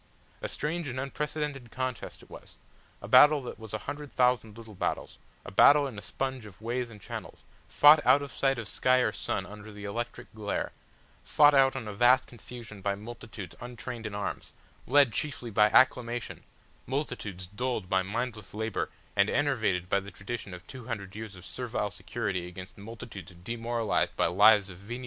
A strange and unprecedented contest it was, a battle that was a hundred thousand little battles, a battle in a sponge of ways and channels, fought out of sight of sky or sun under the electric glare, fought out in a vast confusion by multitudes untrained in arms, led chiefly by acclamation, multitudes dulled by mindless labour and enervated by the tradition of two hundred years of servile security against multitudes demoralised by lives of venial privilege and sensual indulgence.